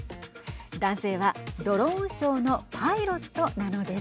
男性はドローンショーのパイロットなのです。